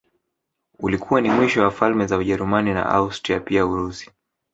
Ulikuwa ni mwisho wa falme za Ujerumani na Austria pia Urusi